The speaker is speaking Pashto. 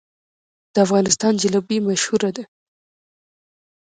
د افغانستان جلبي مشهوره ده